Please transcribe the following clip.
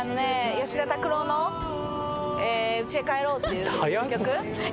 吉田拓郎の『家へ帰ろう』っていう曲。